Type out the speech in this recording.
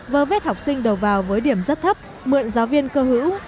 vơ vết học sinh đầu vào với điểm rất thấp mượn giáo viên cơ hữu